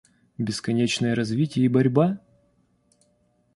Бесконечное развитие и борьба?..